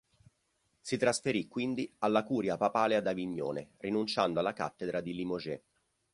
Si trasferì quindi alla curia papale ad Avignone, rinunciando alla cattedra di Limoges.